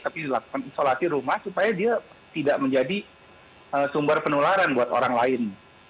tapi dilakukan isolasi rumah supaya dia tidak menjadi sumber penularan buat orang lain